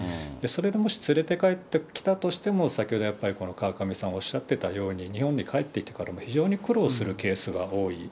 それでもし連れて帰ってきたとしても、先ほどやっぱり川上さんおっしゃってたように、日本に帰ってきてからも、非常に苦労するケースが多い。